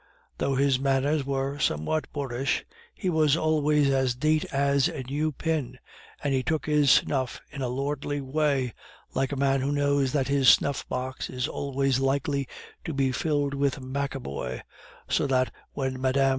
Though his manners were somewhat boorish, he was always as neat as a new pin and he took his snuff in a lordly way, like a man who knows that his snuff box is always likely to be filled with maccaboy, so that when Mme.